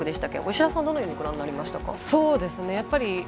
吉田さんはどのようにご覧になりましたか？